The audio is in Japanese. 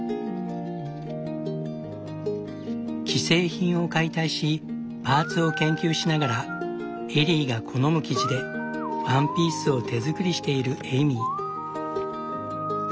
既製品を解体しパーツを研究しながらエリーが好む生地でワンピースを手作りしているエイミー。